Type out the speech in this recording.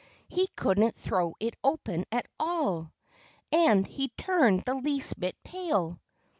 He couldn't throw it open at all. And he turned the least bit pale.